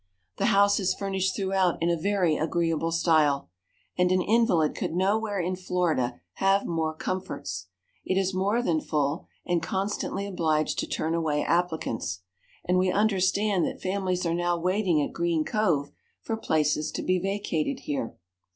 The house is furnished throughout in a very agreeable style; and an invalid could nowhere in Florida have more comforts. It is more than full, and constantly obliged to turn away applicants; and we understand that families are now waiting at Green Cove for places to be vacated here.